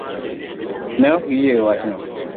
Ne ok giyie gi wachno.